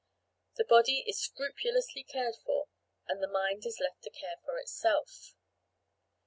The body is scrupulously cared for and the mind is left to care for itself!